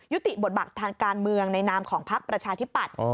ติบทบักทางการเมืองในนามของพักประชาธิปัตย์